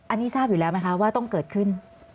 อันนี้ทราบอยู่แล้วไหมคะว่าต้องเกิดขึ้น